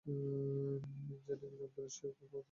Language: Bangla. মিনজানীক যন্ত্র সে-ই সর্ব প্রথম আবিষ্কার করে।